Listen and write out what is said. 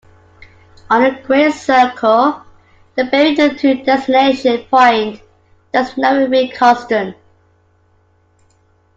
On a great circle, the bearing to the destination point does not remain constant.